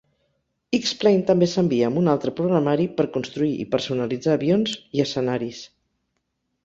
"X-Plane" també s'envia amb un altre programari per construir i personalitzar avions i escenaris.